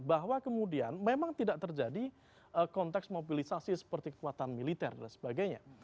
bahwa kemudian memang tidak terjadi konteks mobilisasi seperti kekuatan militer dan sebagainya